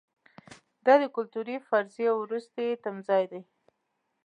دا د کلتوري فرضیې وروستی تمځای دی.